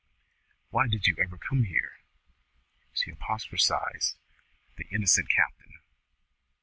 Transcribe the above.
Why did you ever come here?" she apostrophised the innocent captain.